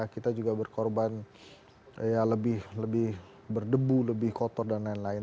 kita juga berkorban lebih berdebu lebih kotor dan lain lain